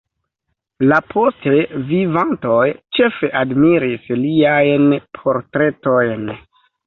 La poste vivantoj ĉefe admiris liajn portretojn.